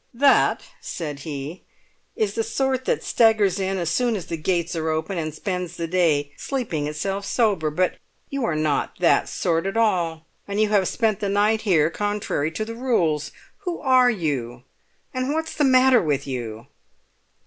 "That," said he, "is the sort that staggers in as soon as the gates are open, and spends the day sleeping itself sober. But you are not that sort at all, and you have spent the night here contrary to the rules. Who are you, and what's the matter with you?"